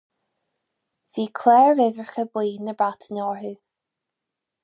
Bhí clár-uimhreacha buí na Breataine orthu.